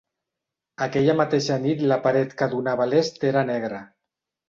Aquella mateixa nit la paret que donava a l'est era negra.